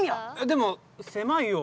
でも狭いよ。